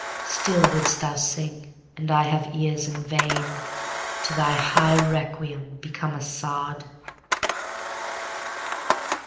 Still wouldst thou sing, and I have ears in vain—To thy high requiem become a sod.